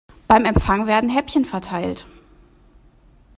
Beim Empfang werden Häppchen verteilt.